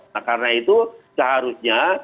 nah karena itu seharusnya